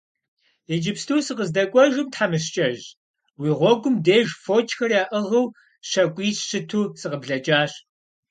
Иджыпсту сыкъыздэкӀуэжым, тхьэмыщкӀэжь, уи гъуэгум деж фочхэр яӀыгъыу щакӀуищ щыту сыкъыблэкӀащ.